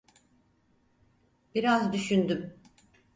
Biraz düşündüm.